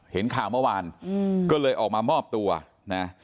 เห็นข่าวเมื่อวานก็เลยออกมามอบตัวนะ